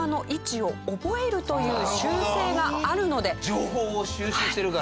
情報を収集してるから。